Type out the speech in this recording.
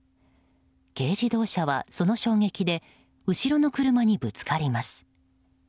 軽自動車はその衝撃で後ろの車にぶつかります。